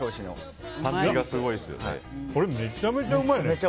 これ、めちゃめちゃうまいね。